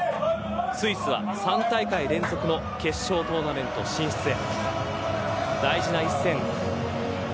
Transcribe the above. スイスは３大会連続の決勝トーナメント進出へ大事な一戦。